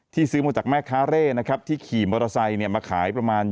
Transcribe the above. ซื้อมาจากแม่ค้าเร่นะครับที่ขี่มอเตอร์ไซค์มาขายประมาณ